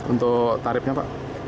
untuk tarifnya pak